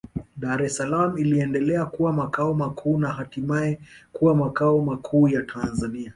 Dar es Salaam iliendelea kuwa makao makuu na hatimaye kuwa makao makuu ya Tanzania